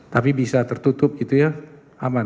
tapi bisa tertutup gitu ya aman